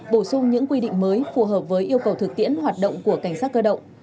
bổ sung những quy định mới phù hợp với yêu cầu thực tiễn hoạt động của cảnh sát cơ động